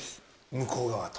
向こう側と。